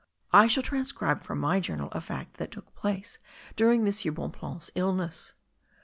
I shall transcribe from my journal a fact that took place during M. Bonpland's illness.